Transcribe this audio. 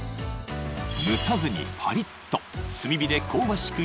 蒸さずにパリっと炭火で香ばしく